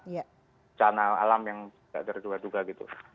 bencana alam yang tidak terduga duga gitu